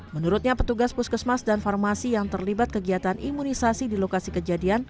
menurutnya petugas puskesmas dan farmasi yang terlibat kegiatan imunisasi di lokasi kejadian